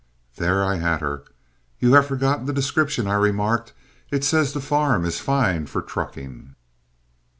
There I had her. "You have forgotten the description," I remarked. "It says the farm is fine for trucking."